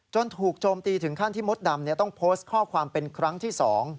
ถูกโจมตีถึงขั้นที่มดดำต้องโพสต์ข้อความเป็นครั้งที่๒